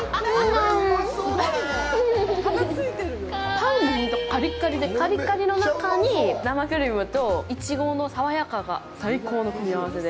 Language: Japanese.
パンもほんとカリッカリで、カリカリの中に生クリームとイチゴの爽やかさが最高の組み合わせで。